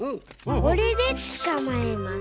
これでつかまえます。